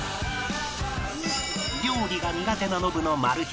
料理が苦手なノブのマル秘